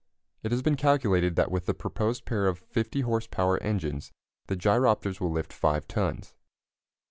It has been calculated that with the proposed pair of 50 horse power engines the gyropters will lift 5 tons.